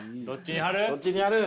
どっちに貼る？